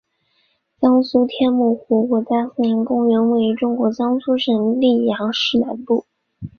江苏天目湖国家森林公园位于中国江苏省溧阳市南部。